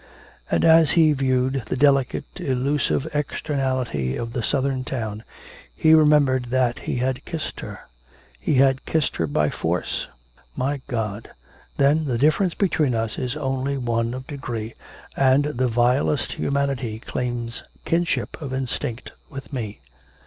And as he viewed the delicate, elusive externality of the southern town, he remembered that he had kissed her he had kissed her by force! 'My God! then the difference between us is only one of degree, and the vilest humanity claims kinship of instinct with me!'